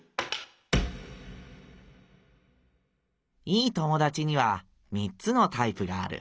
「いい友だちには三つのタイプがある。